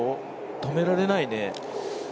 止められないね。